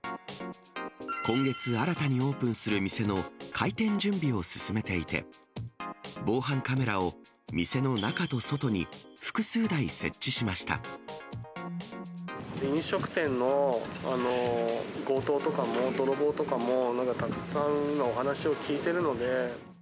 今月、新たにオープンする店の開店準備を進めていて、防犯カメラを、飲食店の強盗とかも、泥棒とかもなんかたくさん、今、お話を聞いてるので。